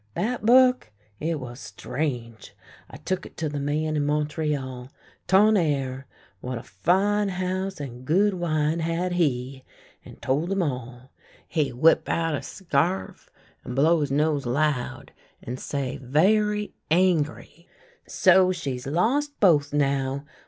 " That book ? It was strange. I took it to the man in Montreal — Tonnerre, what a fine house and good wine had he !— and told him all. He whip out a scarf, and blow his nose loud, and say very angry :* So, she's lost both now